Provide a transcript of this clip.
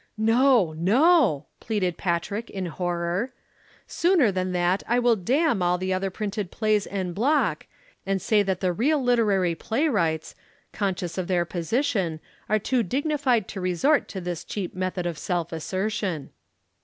"No, no!" pleaded Patrick in horror. "Sooner than that I will damn all the other printed plays en bloc, and say that the real literary playwrights, conscious of their position, are too dignified to resort to this cheap method of self assertion."